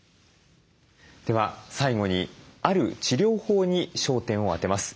では最後にある治療法に焦点を当てます。